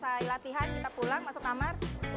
selesai latihan kita pulang masuk kamar